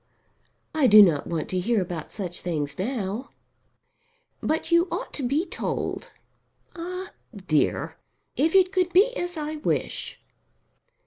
"I do not want to hear about such things now." "But you ought to be told. Ah, dear; if it could be as I wish!"